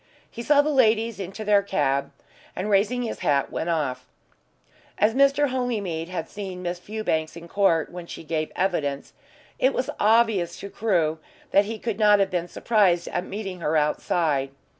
He saw the ladies into their cab, and, raising his hat, went off. As Mr. Holymead had seen Miss Fewbanks in court when she gave evidence, it was obvious to Crewe that he could not have been surprised at meeting her outside.